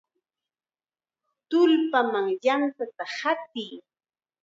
¡Tullpaman yantata hatiy!